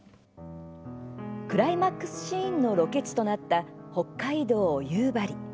クライマックスシーンのロケ地となった北海道・夕張。